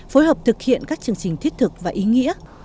phối hợp thực hiện các chương trình thiết thực và ý nghĩa